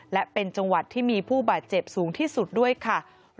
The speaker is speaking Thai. และเป็นจังหวัดที่มีผู้บาดเจ็บสูงที่สุดด้วยค่ะ